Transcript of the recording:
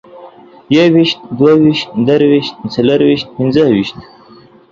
يويشت، دوه ويشت، درويشت، څلرويشت، پينځويشت